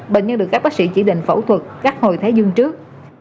bệnh nhân được các bác sĩ chỉ định phẫu thuật gắt hồi thái dương trước